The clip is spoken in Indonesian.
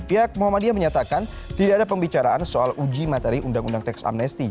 pihak muhammadiyah menyatakan tidak ada pembicaraan soal uji materi undang undang teks amnesti